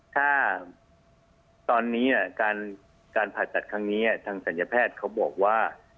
ถ้าตอนนี้การผ่าตัดครั้งนี้ทางศัลยแพทย์เขาบอกว่า